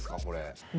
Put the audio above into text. これ。